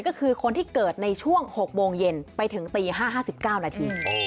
ก็คือคนที่เกิดในช่วง๖โมงเย็นไปถึงตี๕๕๙นาที